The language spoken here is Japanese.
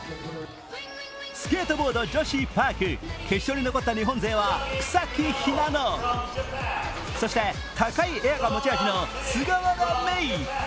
スケートボード女子パーク、決勝に残った日本勢は草木ひなの、そして高いエアが持ち味の菅原芽衣。